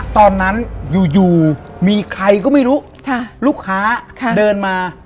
ตอนนั้นอยู่มีใครก็ไม่รู้ลูกค้าเดินมา